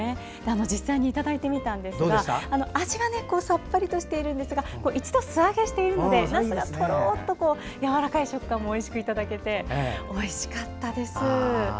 実際にいただいてみたんですが味はさっぱりとしているんですが一度素揚げしているのでなすがとろっとやわらかい食感もいただけておいしかったです。